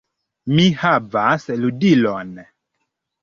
"Mi havas ludilon!"